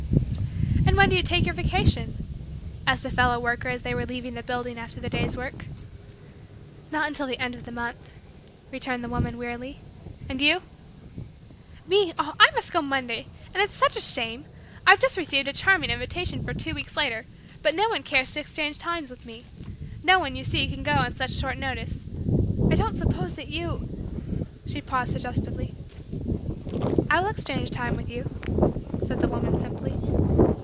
"And when do you take your vacation?" asked a fellow worker as they were leaving the building after the day's work. "Not until the last of the month," returned the woman wearily. "And you?" "Me, oh, I must go Monday! And it's such a shame! I've just received a charming invitation for two weeks later but no one cares to exchange time with me. No one, you see, can go on such short notice. I don't suppose that you " she paused suggestively. "I will exchange time with you," said the woman simply.